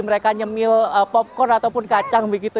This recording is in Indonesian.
mereka nyemil popcorn ataupun kacang begitu